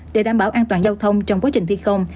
để đảm bảo an toàn giao thông trong quá trình thi công